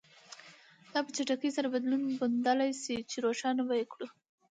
دا په چټکۍ سره بدلون موندلای شي چې روښانه به یې کړو.